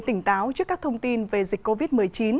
tỉnh táo trước các thông tin về dịch covid một mươi chín